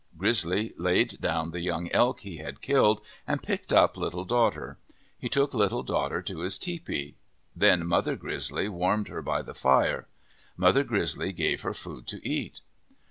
Grizzly laid down the young elk he had killed and picked up Little Daughter. He took Little Daughter to his tepee. Then Mother Grizzly warmed her by the fire. Mother Grizzly gave her food to eat.